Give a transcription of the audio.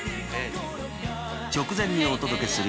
直前にお届けする